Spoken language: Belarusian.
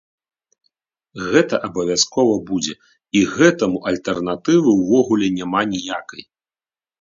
Гэта абавязкова будзе і гэтаму альтэрнатывы ўвогуле няма ніякай.